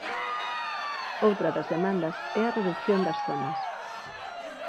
Outra das demandas é a redución das zonas.